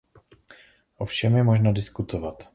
O všem je možno diskutovat.